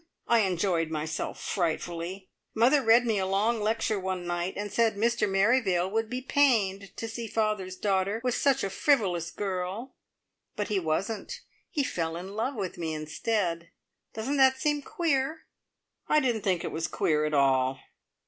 I enjoyed myself frightfully. Mother read me a long lecture one night, and said Mr Merrivale would be pained to see father's daughter was such a frivolous girl. But he wasn't. He fell in love with me instead. Doesn't that seem queer?" I didn't think it was queer at all.